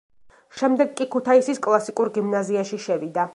შემდეგ კი ქუთაისის კლასიკურ გიმნაზიაში შევიდა.